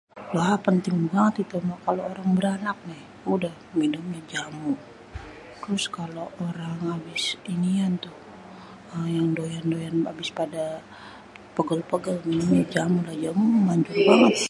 Lah penting banget itu mah. Kalo orang beranak nih minumnya jamu trus kalo orang abis inian tuh yang doyan-doyan abis pada pegel-pegel minumnya jamu dah, jamu manjur banget.